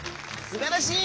「すばらしい！」